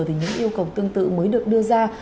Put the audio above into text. thì những yêu cầu tương tự mới được đưa ra